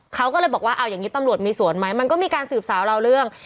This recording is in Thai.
เขาก็เลยบอกว่าเอาอย่างนี้ตำรวจมีสวนไหมมันก็มีการสืบสาวเราเรื่อง